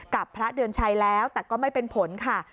พระเดือนชัยแล้วแต่ก็ไม่เป็นผลค่ะ